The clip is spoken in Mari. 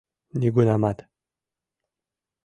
Нигунамат!